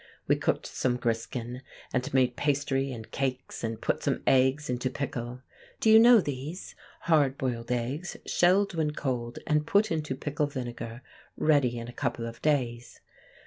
We cooked some griskin, and made pastry and cakes, and put some eggs into pickle. (Do you know these? hard boiled eggs shelled when cold and put into pickle vinegar; ready in a couple of days.)